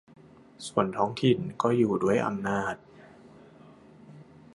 ส่วนท้องถิ่นก็อยู่ด้วยอำนาจ